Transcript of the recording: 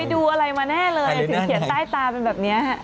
ดูอะไรมาแน่เลยถึงเขียนใต้ตาเป็นแบบนี้